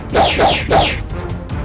baik kaki guru